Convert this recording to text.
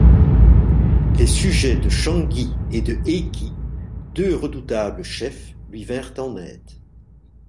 Les sujets de Shongi et de Heki, deux redoutables chefs, lui vinrent en aide.